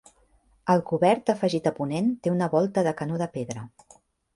El cobert afegit a ponent té una volta de canó de pedra.